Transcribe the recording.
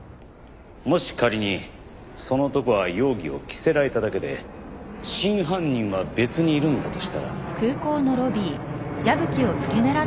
もし仮にその男は容疑を着せられただけで真犯人は別にいるんだとしたら。